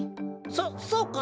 そそうか？